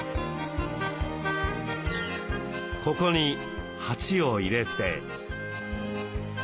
ここに鉢を入れて。